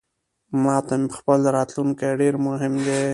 ماته مې خپل راتلونکې ډیرمهم دی